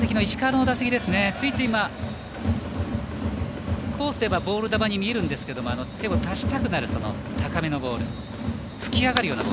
前の石川の打席、ついついコースでいえばボール球に見えるんですが手を出したくなる高めのボールでした。